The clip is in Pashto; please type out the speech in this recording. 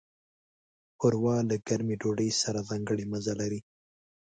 ښوروا له ګرمې ډوډۍ سره ځانګړی مزه لري.